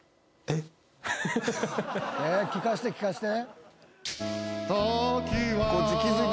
聞かせて聞かせて。